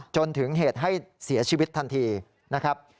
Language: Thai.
จนถึงเหตุให้เสียชีวิตทันทีนะครับ